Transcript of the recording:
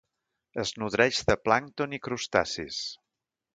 Es nodreix de plàncton i crustacis.